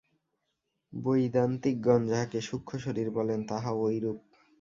বৈদান্তিকগণ যাহাকে সূক্ষ্মশরীর বলেন, তাহাও ঐরূপ।